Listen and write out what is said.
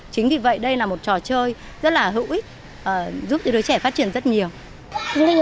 chính vì vậy đây là một trò chơi rất là hữu ích giúp cho đứa trẻ phát triển rất nhiều